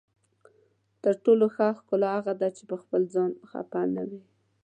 تر ټولو ښه ښکلا هغه ده چې پخپل ځان خفه نه وي.